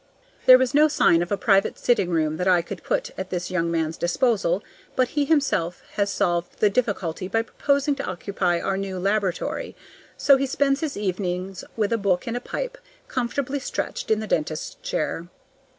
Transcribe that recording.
There was no sign of a private sitting room that I could put at this young man's disposal, but he himself has solved the difficulty by proposing to occupy our new laboratory. So he spends his evenings with a book and a pipe, comfortably stretched in the dentist's chair.